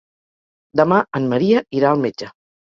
Demà en Maria irà al metge.